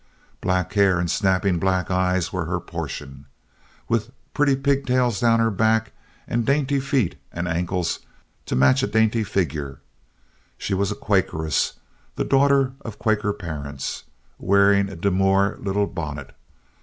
Black hair and snapping black eyes were her portion, with pretty pigtails down her back, and dainty feet and ankles to match a dainty figure. She was a Quakeress, the daughter of Quaker parents, wearing a demure little bonnet.